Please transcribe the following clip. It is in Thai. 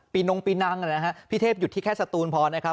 นงปีนังนะฮะพี่เทพหยุดที่แค่สตูนพอนะครับ